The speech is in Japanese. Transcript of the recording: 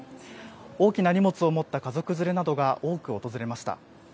大きな荷物を持った家族連れなどが多く訪れました。